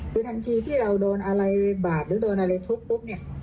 คือทันทีที่เราโดนอะไรบาดหรือโดนอะไรทุบปุ๊บเนี่ย